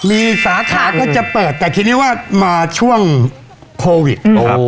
มีสาขาก็จะเปิดแต่ทีนี้ว่ามาช่วงโควิด